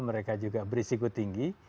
mereka juga berisiko tinggi